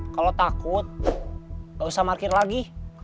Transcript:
kalau takut gak usah markir lagi